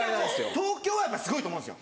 東京はすごいと思うんです